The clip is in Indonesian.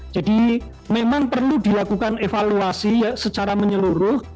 memang perlu dilakukan evaluasi secara menyeluruh